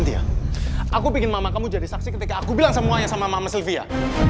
aku ingin mama kamu jadi saksi ketika aku bilang semuanya sama mama sylvia